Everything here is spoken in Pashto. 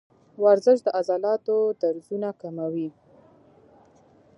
ورزش د عضلاتو درزونه کموي.